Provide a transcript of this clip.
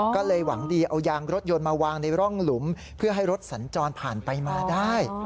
ก็เลยหวังดีเอายางรถยนต์มาวางในร่องหลุมเพื่อให้รถสัญจรผ่านไปมาได้